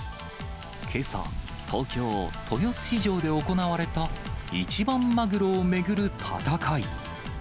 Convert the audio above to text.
けさ、東京・豊洲市場で行われた一番マグロを巡る戦い。